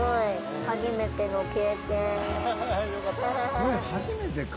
すごい初めてか。